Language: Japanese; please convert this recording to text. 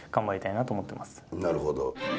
なるほど。